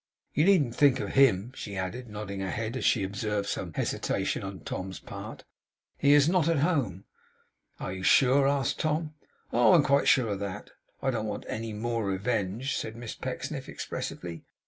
You needn't think of HIM,' she added, nodding her head as she observed some hesitation on Tom's part. 'He is not at home.' 'Are you sure?' asked Tom. 'Oh, I am quite sure of that. I don't want any MORE revenge,' said Miss Pecksniff, expressively.